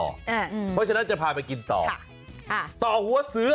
เพราะฉะนั้นจะพาไปกินต่อต่อหัวเสือ